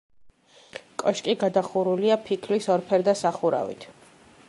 კოშკი გადახურულია ფიქლის ორფერდა სახურავით.